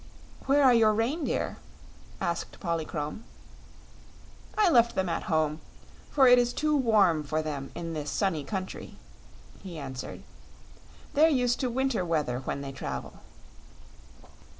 "Where are your reindeer?" asked Polychrome. "I left them at home, for it is too warm for them in this sunny country," he answered. "They're used to winter weather when they travel."